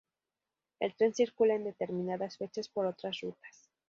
El tren circula en determinadas fechas por otras rutas.